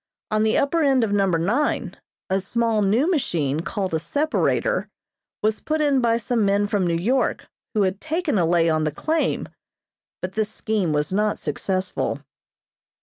On the upper end of Number Nine a small new machine called a separator was put in by some men from New York who had taken a lay on the claim; but this scheme was not successful.